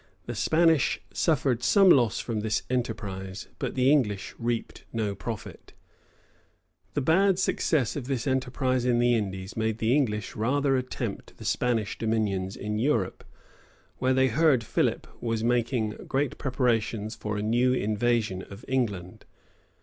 The Spaniards suffered some loss from this enterprise but the English reaped no profit.[] * Camden, p. 584 Monson, p, 167. The bad success of this enterprise in the Indies made the English rather attempt the Spanish dominions in Europe, where they heard Philip was making great preparations for a new invasion of England.